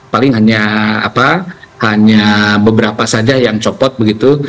paling hanya beberapa saja yang copot begitu